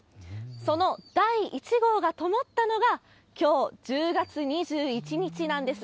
その第１号がともったのが、きょう１０月２１日なんです。